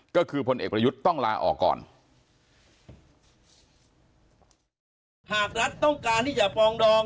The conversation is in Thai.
ก็คือผลเอกประยุทธ์ต้องลาออกก่อน